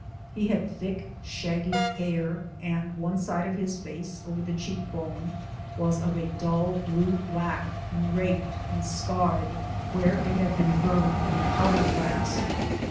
He had thick, shaggy hair, and one side of his face over the cheekbone was of a dull blue black and raked and scarred, where it had been burned in a Powder blast.